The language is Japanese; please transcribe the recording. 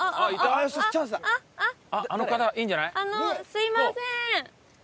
すみません！